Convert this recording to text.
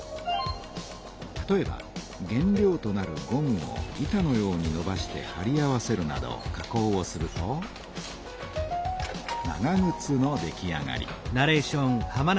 例えば原料となるゴムを板のようにのばしてはり合わせるなど加工をすると長ぐつの出来上がり。